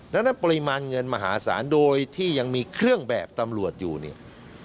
ดังนั้นปริมาณเงินมหาศาลโดยที่ยังมีเครื่องแบบตำรวจอยู่เนี่ย